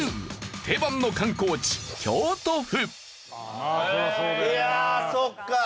定番の観光地京都府。